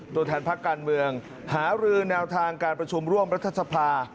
ตัวแทนพักการเมืองหารือแนวทางการประชุมร่วมรัฐสภา